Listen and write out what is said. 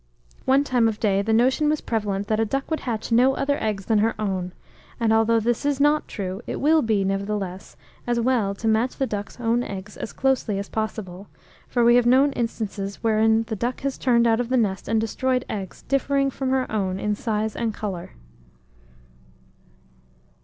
One time of day the notion was prevalent that a duck would hatch no other eggs than her own; and although this is not true, it will be, nevertheless, as well to match the duck's own eggs as closely as possible; for we have known instances wherein the duck has turned out of the nest and destroyed eggs differing from her own in size and colour.